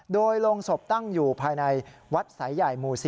โดยโรงศพตั้งอยู่ภายในวัดสายใหญ่หมู่๔